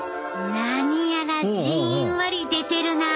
何やらじんわり出てるなあ。